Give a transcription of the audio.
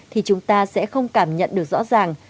thì chúng ta sẽ không cảm nhận được rõ ràng